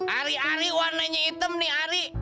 ari ari warnanya hitam nih ari